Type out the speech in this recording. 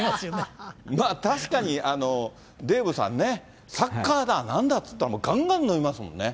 確かにデーブさんね、サッカーだなんだっていったら、がんがん飲みますもんね。